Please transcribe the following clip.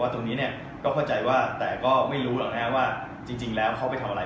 ตรงนี้ก็เข้าใจว่าแต่ก็ไม่รู้หรอกว่าจริงแล้วเขาไปทำอะไร